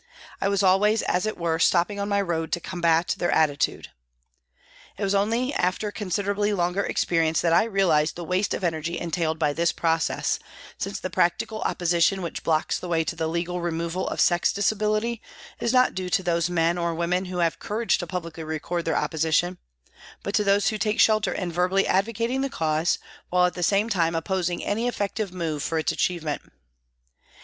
I was always, as it were, stopping on my road to combat their attitude. It was only after con siderably longer experience that I realised the waste of energy entailed by this process, since the prac tical opposition which blocks the way to the legal removal of sex disability is not due to those men or women who have courage to publicly record their opposition, but to those who take shelter in verbally advocating the cause, while at the same time opposing any effective move for its achievement.